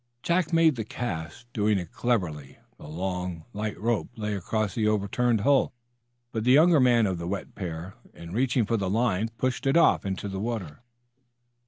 Jack made the cast, doing it cleverly. The long, light rope lay across the overturned hull. But the younger man of the wet pair, in reaching for the line, pushed it off into the water.